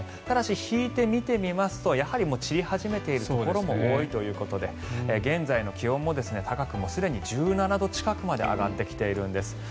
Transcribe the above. ただし引いて見ますと散り始めているところも多いということで現在の気温も高くすでに１７度近くまで上がってきているんです。